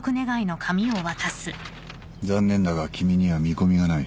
残念だが君には見込みがない。